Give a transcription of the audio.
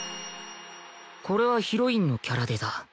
これはヒロインのキャラデザ